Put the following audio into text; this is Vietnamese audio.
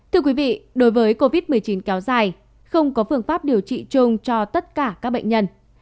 thưa quý vị đối với covid một mươi chín kéo dài không có phương pháp điều trị chung cho tất cả các bệnh nhân